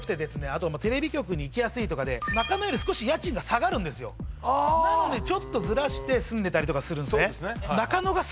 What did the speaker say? あとテレビ局に行きやすいとかで中野より少し家賃が下がるんですよなのでちょっとズラして住んでたりとかするんでね